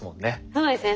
そうですね